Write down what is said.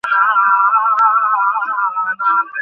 একটা সামান্য পিঁপড়ের চেয়ে আমরা কত অধিক ভীত ও দুঃখী।